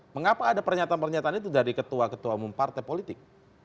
mengapa ada pernyataan pernyataan itu dari ketua ketua umum partai politik